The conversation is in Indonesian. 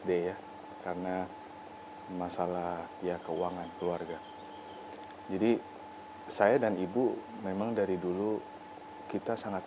d ya karena masalah ya keuangan keluarga jadi saya dan ibu memang dari dulu kita sangat